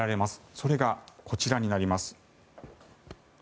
それがこちらになります。